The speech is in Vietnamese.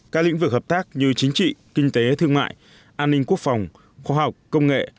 các lĩnh vực hợp tác như chính trị kinh tế thương mại an ninh quốc phòng khoa học công nghệ